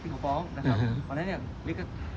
ที่เขาก้องนะครับ